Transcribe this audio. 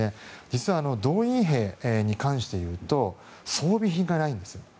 実は動員兵に関していうと装備品がないんです。